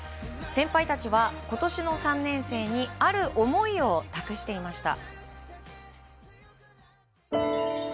先輩たちはことしの３年生にある思いを託していました。